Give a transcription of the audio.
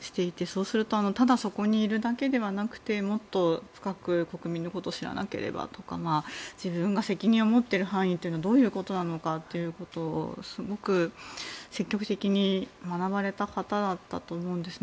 そうすると、ただそこにいるだけではなくてもっと深く国民のことを知らなければとか自分が責任を持っている範囲ということはどういうことなのかというのをすごく積極的に学ばれた方だったと思うんです。